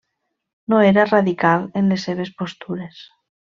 No era radical en les seves postures.